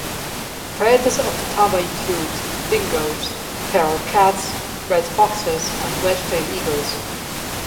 Predators of the tammar include dingos, feral cats, red foxes and wedge-tailed eagles.